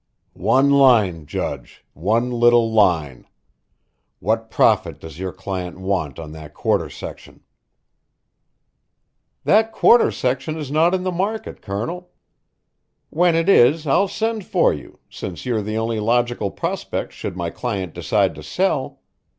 "One line, Judge, one little line. What profit does your client want on that quarter section?" "That quarter section is not in the market, Colonel. When it is, I'll send for you, since you're the only logical prospect should my client decide to sell.